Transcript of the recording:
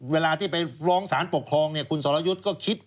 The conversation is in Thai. เวลาที่ไปร้องสารปกครองคุณสรยุทธ์